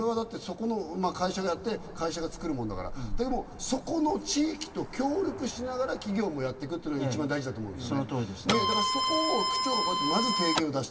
会社がやって、そこで会社が作るものだから、そこの地域と協力しながら企業もやってくるのは一番大事だと思うんですね。